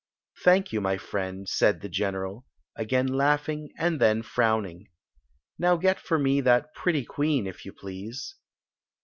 Thank you. my friend,'* said the general. again laughing and then frowning. " Now get for me that pretty queen, if you please."